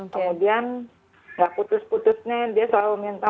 kemudian nggak putus putusnya dia selalu minta